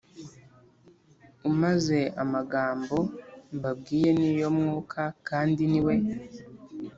umaze Amagambo mbabwiye ni yo mwuka kandi niwe